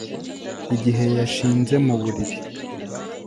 igihe yanshize mu buriri